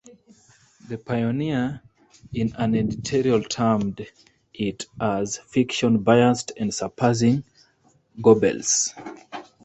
"The Pioneer", in an editorial termed it as "fiction", "biased", and "Surpassing Goebbels".